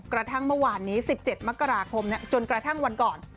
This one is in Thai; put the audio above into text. กระทั่งเมื่อวานนี้๑๗มกราคมจนกระทั่งวันก่อน